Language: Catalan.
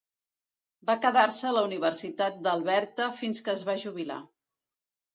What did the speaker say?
Va quedar-se a la Universitat d'Alberta fins que es va jubilar.